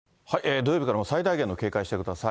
土曜日から最大限の警戒をしてください。